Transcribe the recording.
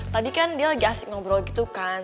tadi kan dia lagi asik ngobrol gitu kan